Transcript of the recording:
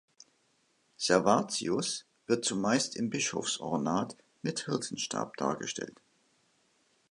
Servatius wird zumeist im Bischofsornat mit Hirtenstab dargestellt.